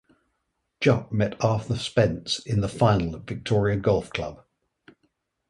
Jupp met Arthur Spence in the final at Victoria Golf Club.